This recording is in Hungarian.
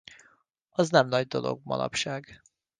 Az nem nagy dolog manapság.